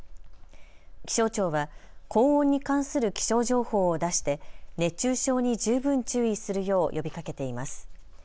気象庁は高温に関する気象情報を出して熱中症に十分注意するよう呼びかけています。